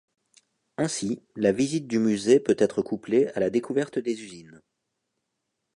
Ainsi, la visite du musée peut être couplée à la découverte des usines.